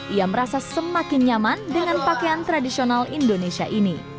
ia merasa semakin nyaman dengan pakaian tradisional indonesia ini